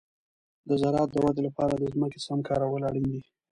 د زراعت د ودې لپاره د ځمکې سم کارول اړین دي.